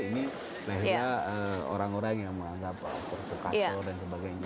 ini lahirnya orang orang yang menganggap provokator dan sebagainya